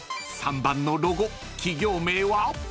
［３番のロゴ企業名は？］